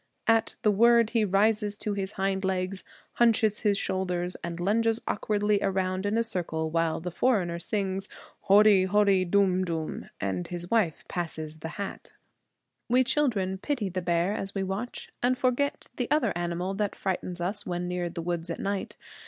At the word he rises to his hind legs, hunches his shoulders, and lunges awkwardly round in a circle, while the foreigner sings Horry, horry, dum dum, and his wife passes the hat. We children pity the bear, as we watch, and forget the other animal that frightens us when near the woods at night.